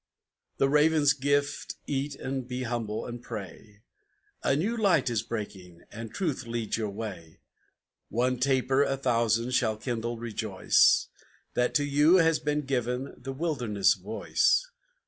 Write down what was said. IV "The raven's gift eat and be humble and pray, A new light is breaking, and Truth leads your way; One taper a thousand shall kindle: rejoice That to you has been given the wilderness voice!"